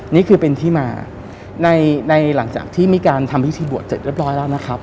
นี่คือเป็นที่มาในหลังจากที่มีการทำพิธีบวชเสร็จเรียบร้อยแล้วนะครับ